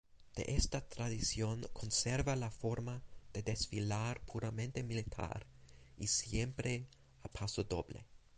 De esta tradición conserva la forma de desfilar puramente militar y siempre a pasodoble.